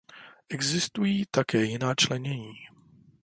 Existují také jiná členění.